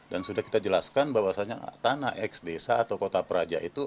dan sudah kita jelaskan bahwasannya tanah eks desa atau kota praja itu